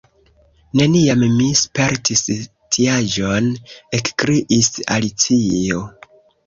"Neniam mi spertis tiaĵon," ekkriis Alicio.